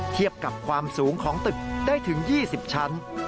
เทียบกับความสูงของตึกได้ถึง๒๐ชั้น